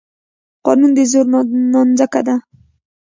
قانون د زور نانځکه ده.